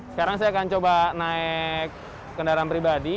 sekarang saya akan coba naik kendaraan pribadi